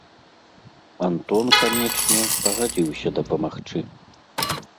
Антон, канечне, пагадзіўся дапамагчы.